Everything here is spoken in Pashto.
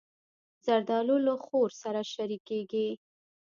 زردالو له خور سره شریکېږي.